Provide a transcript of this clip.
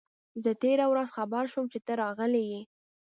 زه تېره ورځ خبر شوم چي ته راغلی یې.